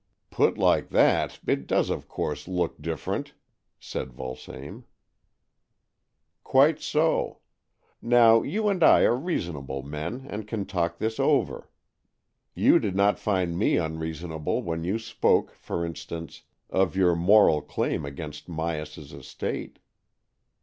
" Put like that, it does of course look different," said Vulsame. " Quite so. Now you and I are reasonable men, and can talk this over. You did not find me unreasonable when you spoke, for instance, of your moral claim against Myas's estate.